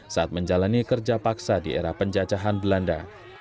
saat menjalani kerja paksa di era penjajahan belanda